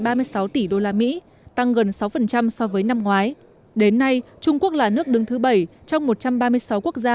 ba mươi sáu tỷ usd tăng gần sáu so với năm ngoái đến nay trung quốc là nước đứng thứ bảy trong một trăm ba mươi sáu quốc gia